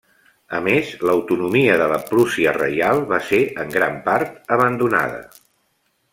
A més, l'autonomia de la Prússia Reial va ser en gran part abandonada.